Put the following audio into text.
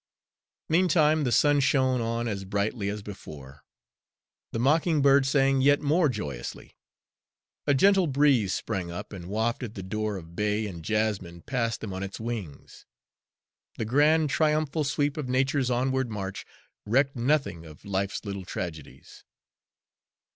Meantime the sun shone on as brightly as before, the mocking bird sang yet more joyously. A gentle breeze sprang up and wafted the odor of bay and jessamine past them on its wings. The grand triumphal sweep of nature's onward march recked nothing of life's little tragedies.